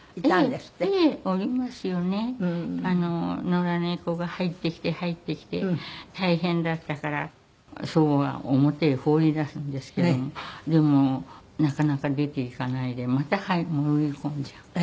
野良猫が入ってきて入ってきて大変だったから祖母が表へ放り出すんですけどもでもなかなか出ていかないでまた潜り込んじゃう。